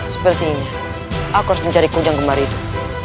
sepertinya aku harus mencari kujang kemari itu